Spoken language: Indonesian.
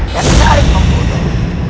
dan saling membunuh